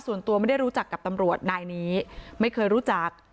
ส่วนตัวไม่ได้รู้จักกับตำรวจนายนี้ไม่เคยรู้จัก